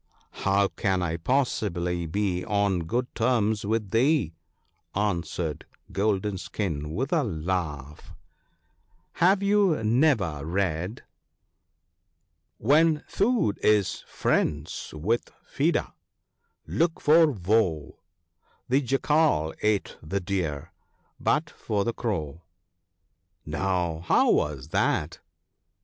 ' How can I possibly be on good terms with thee ?' answered Golden skin with a laugh ;' have you never read, — 30 THE BOOK OF GOOD COUNSELS. " When Food is friends with Feeder, look for Woe, The Jackal ate the Deer, but for the Crow." ' No ! how was that